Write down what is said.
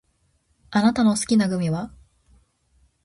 あなたの好きなグミは？